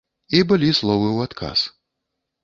І былі словы ў адказ.